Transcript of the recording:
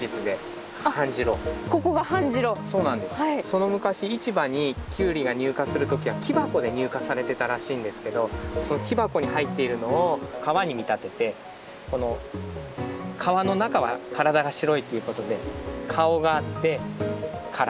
その昔市場にキュウリが入荷する時は木箱で入荷されてたらしいんですけどその木箱に入っているのを川に見立ててこの川の中は体が白いということで顔があって体。